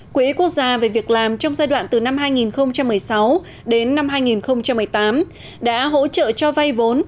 quỹ quốc gia về việc làm trong giai đoạn từ năm hai nghìn một mươi sáu đến năm hai nghìn một mươi tám đã hỗ trợ cho vay vốn